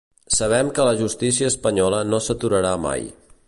Sabem que la justícia espanyola no s’aturarà mai.